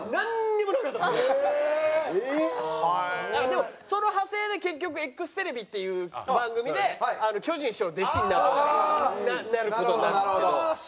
でもその派生で結局『ＥＸテレビ』っていう番組で巨人師匠の弟子になる事になるんですけど。